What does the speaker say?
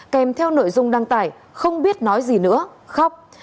kèm theo nội dung đăng tải không biết nói gì nữa khóc